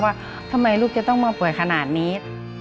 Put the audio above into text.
ว่าทำไมลูกจะต้องมาป่วยขนาดนี้